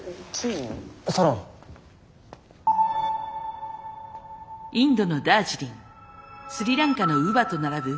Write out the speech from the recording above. インドのダージリンスリランカのウヴァと並ぶ